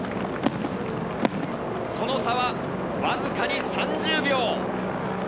その差はわずかに３０秒。